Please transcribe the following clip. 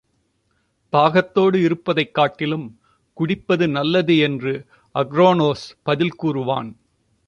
தாகத்தோடு இருப்பதை காட்டிலும் குடிப்பது நல்லது என்று அக்ரோனோஸ் பதில் கூறுவான்.